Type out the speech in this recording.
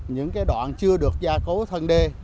những cái đoạn chưa được gia cố thân đê